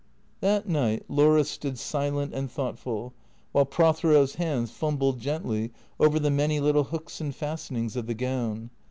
That night Laura stood silent and thoughtful while Prothero's hands fumbled gently over the many little hooks and fastenings of the gown.